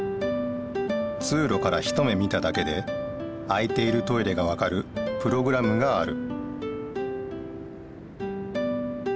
つうろから一目見ただけで空いているトイレがわかるプログラムがある。